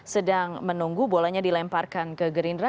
sedang menunggu bolanya dilemparkan ke gerindra